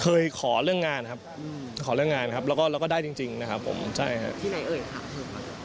เคยขอเรื่องงานครับขอเรื่องงานครับแล้วก็ได้จริงนะครับผมใช่ครับที่ไหนเอ่ยค่ะ